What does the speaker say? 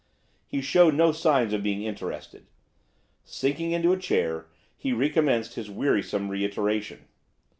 He showed no signs of being interested. Sinking into a chair, he recommenced his wearisome reiteration.